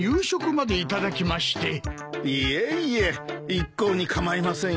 いえいえ一向に構いませんよ。